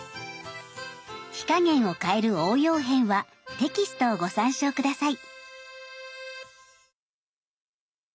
火加減を変える応用編はテキストをご参照下さい。